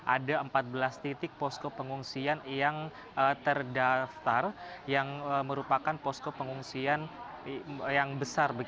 ada empat belas titik posko pengungsian yang terdaftar yang merupakan posko pengungsian yang besar